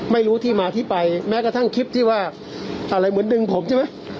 ไม่รู้ที่มาที่ไปแม้กระทั่งคลิปที่ว่าอะไรเหมือนดึงผมใช่ไหม